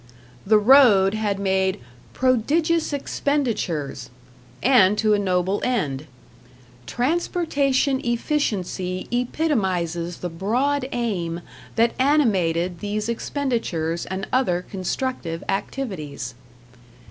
The road had made "prodigious expenditures", and to a noble end: "Transportation efficiency epitomizes the broad aim that animated these expenditures and other constructive activities."